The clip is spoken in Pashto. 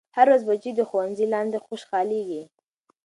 هره ورځ بچے د ښوونځي لاندې خوشحالېږي.